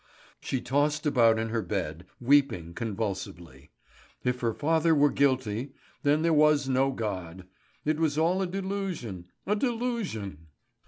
She tossed about in her bed, weeping convulsively. If her father were guilty, then there was no God. It was all a delusion, a delusion!